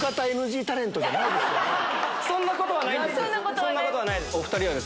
そんなことはないんです。